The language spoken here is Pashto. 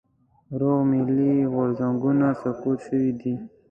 روغ ملي غورځنګونه سقوط شوي دي.